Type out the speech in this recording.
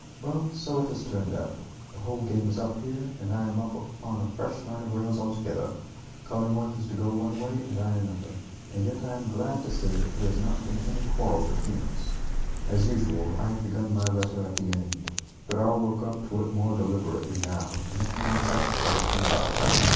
Well, so it has turned out! The whole game is up here, and I am off upon a fresh line of rails altogether. Cullingworth is to go one way and I another; and yet I am glad to say that there has not been any quarrel between us. As usual, I have begun my letter at the end, but I'll work up to it more deliberately now, and let you know exactly how it came about.